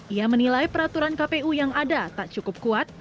ia menilai peraturan kpu yang ada tak cukup kuat